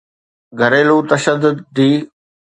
گھريلو تشدد ڊي